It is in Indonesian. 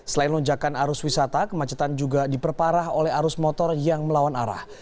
selain lonjakan arus wisata kemacetan juga diperparah oleh arus motor yang melawan arah